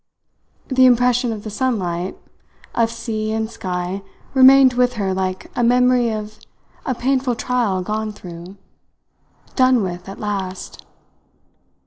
The impression of the sunlight, of sea and sky, remained with her like a memory of a painful trial gone through done with at last!